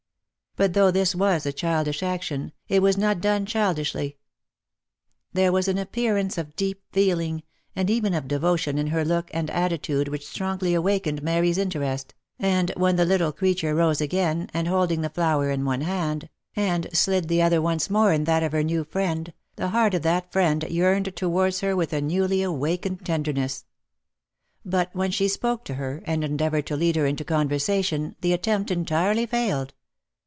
But though this was a childish action, it was not done child ishly : there was an appearance of deep feeling, and even of devotion in her look and attitude which strongly awakened Mary's interest, and when the little creature rose again, and holding the flower in one hand, slid the other once more into that of her new friend, the heart of that friend yearned towards her with newly awakened tenderness. But when she spoke to her, and endeavoured to lead her into conversation, the attempt entirely failed.